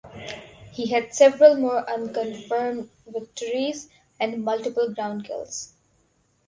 He had several more unconfirmed victories and multiple ground kills.